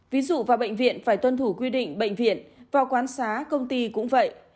ví dụ vào bệnh viện phải tuân thủ quy định bệnh viện vào quán xá công ty cũng vậy